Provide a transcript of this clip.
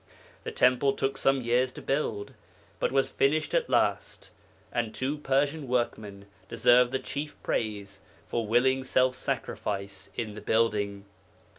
The temple took some years to build, but was finished at last, and two Persian workmen deserve the chief praise for willing self sacrifice in the building.